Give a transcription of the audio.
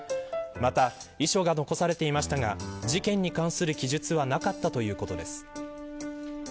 また遺書が残されていましたが事件に関する記述はなかったということです。